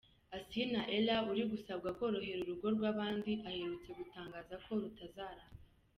Asinah Erra uri gusabwa korohera urugo rw'abandi aherutse gutangaza ko rutazaramba.